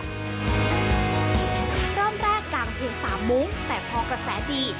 เริ่มแรกกางเพียง๓มุ้งแต่พอกระแสดี